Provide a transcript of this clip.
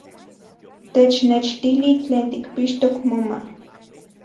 ¡Technechtili tlen tikpixtok moma!